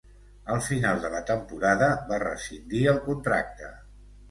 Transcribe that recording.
Al final de la temporada va rescindir el contracte.